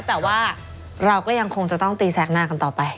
แต่ว่าเราก็ยังคงจะต้องตีแสกหน้ากันต่อไป